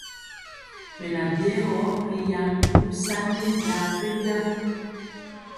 Beŋan byigɔ ri yaŋ nusani ya pɛnja.